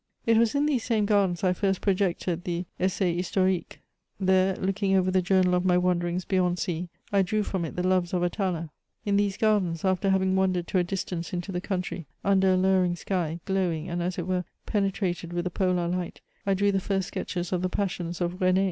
It was in these same gardens I first' projected the '^ Essai His torique ;" there, looking over the journal of my wanderings beyond sea, I drew from it the loves of Alala ; in these gardens, after having wandered to a distance into the country, under a lowering sky, glowing, and as it were, penetrated with the polar light, I drew the first sketches of the passions of " Ren^.'